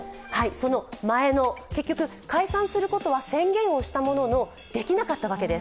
その前の、結局解散することは宣言をしたもののできなかったわけです。